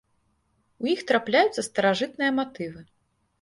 У іх трапляюцца старажытныя матывы.